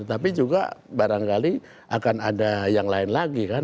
tapi juga barangkali akan ada yang lain lagi kan